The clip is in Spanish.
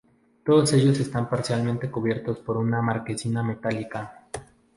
Todos ellos están parcialmente recubiertos por una marquesina metálica.